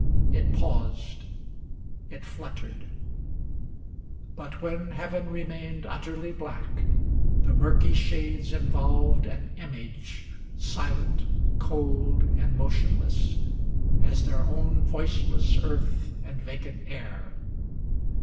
It paused ŌĆö it fluttered. But when hea ven remained 659 Utterly black, the murky shades involved An image silent, cold, and motionless. As their own voiceless earth and vacant air.